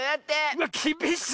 うわっきびしっ！